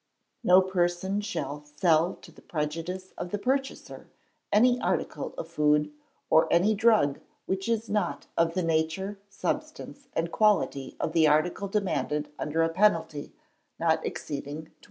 "No person shall sell to the prejudice of the purchaser any article of food, or any drug which is not of the nature, substance, and quality of the article demanded under a penalty not exceeding £20."